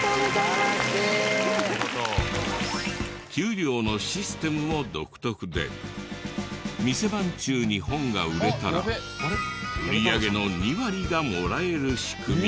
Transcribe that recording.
給料のシステムも独特で店番中に本が売れたら売り上げの２割がもらえる仕組み。